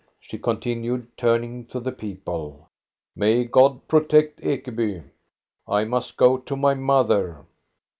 " she continued, turning to the people. " May God protect Ekeby ! I must go to my mother.